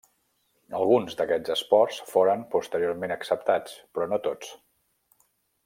Alguns d'aquests esports foren posteriorment acceptats, però no tots.